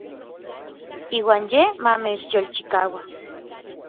Iuan yej ma mechyolchikaua.